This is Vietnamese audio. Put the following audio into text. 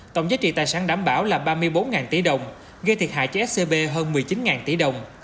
tổng giá trị tài sản đảm bảo là ba mươi bốn tỷ đồng gây thiệt hại cho scb hơn một mươi chín tỷ đồng